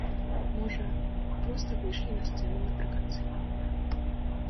Можа, проста выйшлі на сцэну напрыканцы.